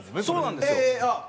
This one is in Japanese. そうなんですよ。